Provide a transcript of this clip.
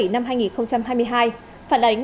năm hai nghìn hai mươi hai phản ánh